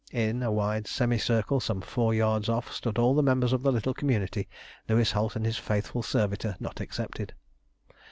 In a wide semicircle some four yards off stood all the members of the little community, Louis Holt and his faithful servitor not excepted.